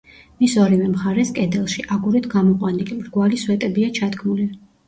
მის ორივე მხარეს, კედელში, აგურით გამოყვანილი, მრგვალი სვეტებია ჩადგმული.